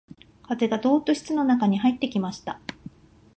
風がどうっと室の中に入ってきました